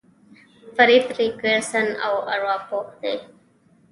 فرېډ ريکسن يو ارواپوه دی.